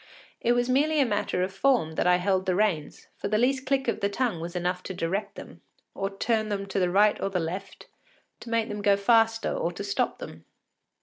It was merely as a matter of form that I held the reins, for the least click of the tongue was enough to direct them, to turn them to the right or the left, to make them go faster, or to stop them.